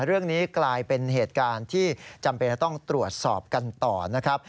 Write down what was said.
เรื่องนี้กลายเป็นเหตุการณ์ที่จำเป็นจะต้องตรวจสอบกันต่อนะครับ